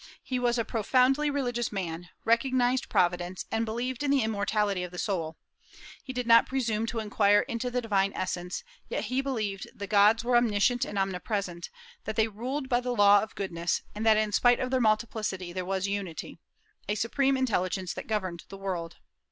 He was a profoundly religious man, recognized Providence, and believed in the immortality of the soul. He did not presume to inquire into the Divine essence, yet he believed that the gods were omniscient and omnipresent, that they ruled by the law of goodness, and that in spite of their multiplicity there was unity, a supreme Intelligence that governed the world.